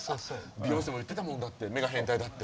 ビヨンセも言ってたもんだって目が変態だって。